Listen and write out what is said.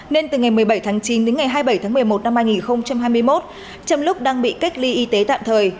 nên từ ngày một mươi bảy tháng chín đến ngày hai mươi bảy tháng một mươi một năm hai nghìn hai mươi một trong lúc đang bị cách ly y tế tạm thời